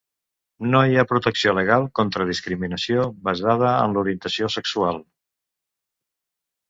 No hi ha protecció legal contra discriminació basada en l'orientació sexual.